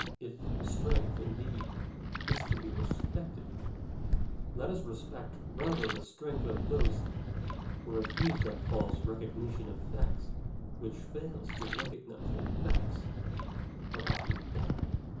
If strength indeed is to be respected, let us respect rather the strength of those who refuse that false "recognition of facts" which fails to recognize that facts are often bad.